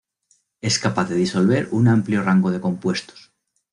Es capaz de disolver un amplio rango de compuestos.